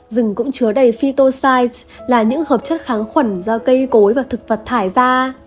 rừng cũng chứa đầy phytocytes là những hợp chất kháng khuẩn do cây cối và thực vật thải ra